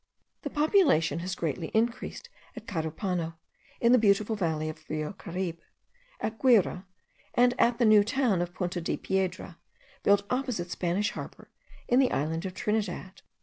The population has greatly increased at Carupano, in the beautiful valley of Rio Caribe, at Guira, and at the new town of Punta di Piedra, built opposite Spanish Harbour, in the island of Trinidad.